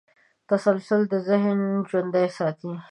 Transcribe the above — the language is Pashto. تسلسل د ذهن ژوند ساتي.